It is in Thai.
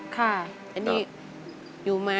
ค่ะ